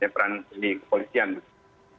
peran di kepolisian gitu